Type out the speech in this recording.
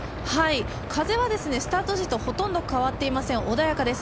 風はスタート時とほとんど変わっていません、穏やかです。